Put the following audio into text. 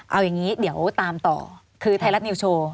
เอาอย่างนี้เดี๋ยวตามต่อคือไทยรัฐนิวโชว์